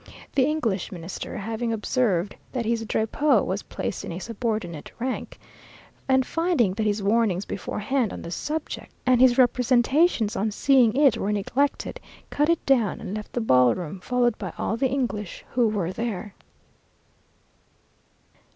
The English Minister having observed that his drapeau was placed in a subordinate rank, and finding that his warnings beforehand on the subject, and his representations on seeing it were neglected, cut it down and left the ballroom, followed by all the English who were there.